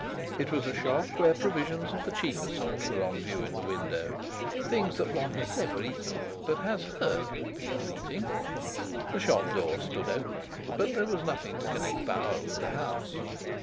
It was a shop where provisions of the cheaper sort were on view in the window, things that one has never eaten but has heard of people eating. The shop door stood open, but there was nothing to connect Bauer with the house.